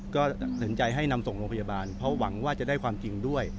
ก็ตัดสินใจให้นำส่งโรงพยาบาลเพราะหวังว่าจะได้ความจริงด้วย